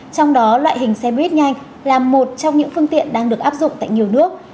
trong đó loại hình xe buýt nhanh là một trong những phương tiện đang được áp dụng tại nhiều nước